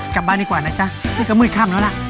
กลับบ้านดีกว่านะจ๊ะนี่ก็มืดค่ำแล้วล่ะ